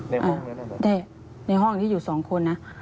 ในห้องอย่างนั้นหรือเปล่าใช่ค่ะในห้องที่อยู่สองคนนะ